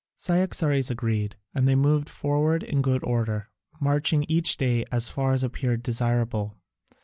Cyaxares agreed, and they moved forward in good order, marching each day as far as appeared desirable.